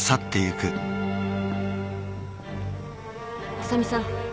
浅見さん。